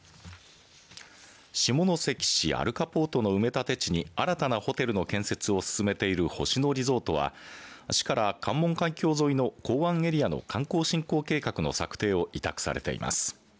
下関市あるかぽーとの埋め立て地に新たなホテルの建設を進めている星野リゾートは市から関門海峡沿いの港湾エリアの観光振興計画の策定を委託されています。